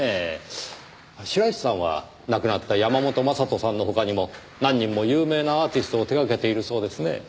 白石さんは亡くなった山本将人さんの他にも何人も有名なアーティストを手掛けているそうですねぇ。